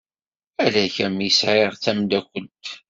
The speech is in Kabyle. Ala kemm i sɛiɣ d tameddakelt.